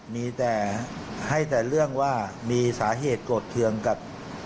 มีแต่ให้แต่เรื่องว่ามีสาเหตุโกรธเครื่องกับ